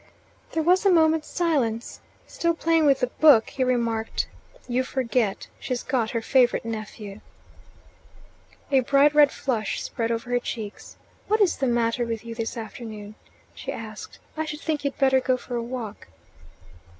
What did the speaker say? There was a moment's silence. Still playing with the book, he remarked, "You forget, she's got her favourite nephew." A bright red flush spread over her cheeks. "What is the matter with you this afternoon?" she asked. "I should think you'd better go for a walk."